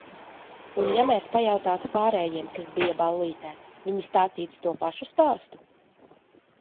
Un ja mēs pajautātu pārējiem, kas bija ballītē, viņi stāstītu to pašu stāstu?